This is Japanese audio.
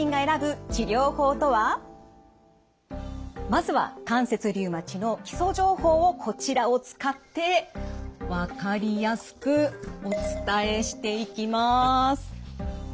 まずは関節リウマチの基礎情報をこちらを使って分かりやすくお伝えしていきます。